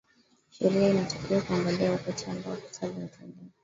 sheria inatakiwa kuangalia wakati ambao kosa limetendeka